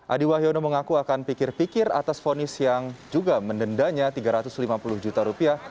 adi wahyono mengaku akan pikir pikir atas fonis yang juga mendendanya tiga ratus lima puluh juta rupiah